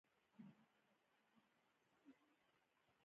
ازادي راډیو د بهرنۍ اړیکې په اړه د نړیوالو سازمانونو راپورونه اقتباس کړي.